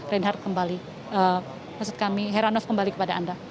reinhardt kembali maksud kami heranov kembali kepada anda